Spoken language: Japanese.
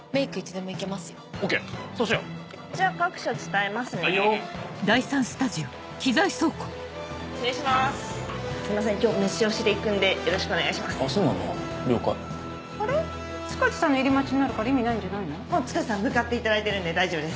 もう塚地さん向かっていただいているんで大丈夫です。